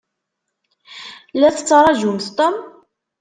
La tettṛaǧumt Tom?